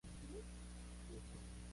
El toro causó estragos allá por donde pasó.